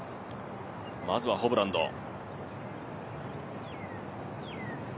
まずはホブランド。